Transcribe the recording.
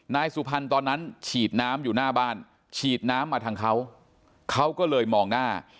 นายสุพรรณตอนนั้นฉีดน้ำอยู่หน้าบ้านฉีดน้ำมาทางเขาเขาก็เลยมองหน้า